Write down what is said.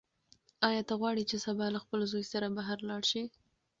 ایا ته غواړې چې سبا له خپل زوی سره بهر لاړه شې؟